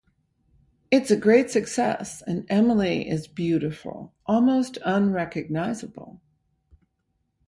It's a great success and Emily is beautiful, almost unrecognizable.